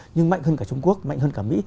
nhưng mạnh hơn cả trung quốc mạnh hơn cả mỹ